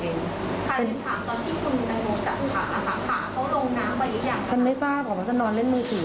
ใครที่คุณถึงถามตอนที่คุณแตงโมจับขาเขาลงนางหรือยัง